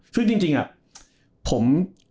คือจริงอะผม